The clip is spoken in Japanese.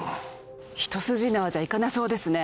一筋縄じゃいかなそうですね